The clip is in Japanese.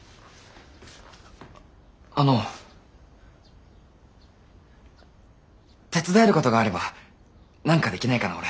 あの手伝えることがあれば何かできないかな俺。